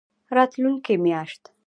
راتلونکې میاشت